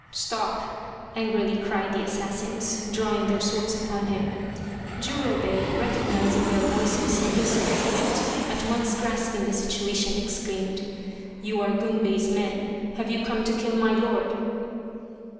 " Stop !" angrily cried the assassins, drawing their swords upon him. Jurobei, recognizing their voices and his quick wit at once grasping the situation, exclaimed :" You are Gunbei's men ! Have you come to kill my lord